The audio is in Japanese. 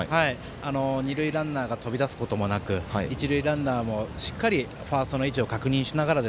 二塁ランナーが飛び出すこともなく一塁ランナーも、しっかりファーストの位置を確認しながら。